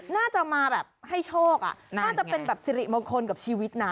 น่าจะมาแบบให้โชคน่าจะเป็นแบบสิริมงคลกับชีวิตนะ